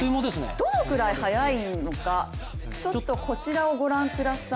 どのくらい速いのかこちらをご覧ください。